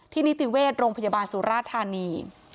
นิติเวชโรงพยาบาลสุราธานี